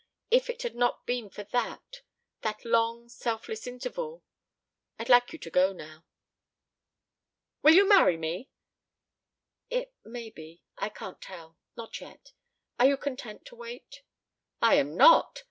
If it had not been for that that long selfless interval ... I'd like you to go now." "Will you marry me?" "It may be. I can't tell. Not yet. Are you content to wait?" "I am not!